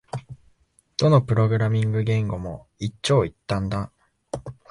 どのプログラミング言語も一長一短だ